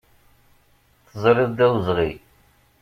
Teẓriḍ d awezɣi.